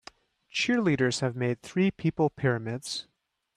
Cheerleaders have made three people pyramids.